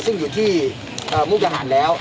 ซึ่งอยู่ที่มุกดาหารแล้ว